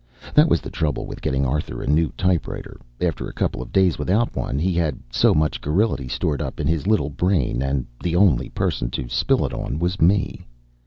That was the trouble with getting Arthur a new typewriter after a couple of days without one he had so much garrulity stored up in his little brain, and the only person to spill it on was me.